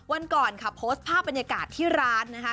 วันก่อนค่ะโพสต์ภาพบรรยากาศที่ร้านนะคะ